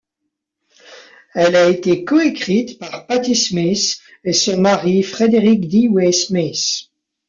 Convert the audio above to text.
Elle a été co-écrite par Patti Smith et son mari Frederick Dewey Smith.